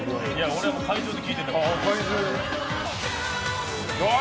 俺は会場で聴いてたよ。